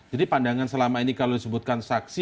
jadi pandangan selama ini kalau disebutkan saksi